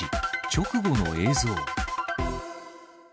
直後の映像。